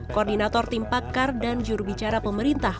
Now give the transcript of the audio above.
koordinator tim pakar dan jurubicara pemerintah